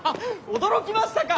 驚きましたか！